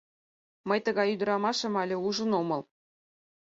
Мый тыгай ӱдырамашым але ужын омыл.